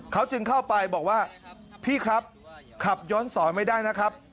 เขาจึงเข้าไปบอกว่าพี่ครับขับย้อนสอนไม่ได้นะครับ